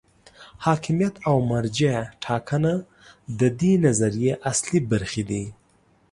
حاکمیت او مرجع ټاکنه د دې نظریې اصلي برخې دي.